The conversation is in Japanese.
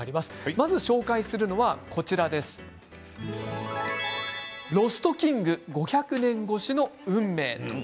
まず紹介するのは「ロスト・キング５００年越しの運命」。